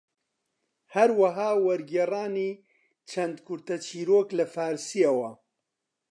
هەروەها وەرگێڕانی چەند کورتە چیرۆک لە فارسییەوە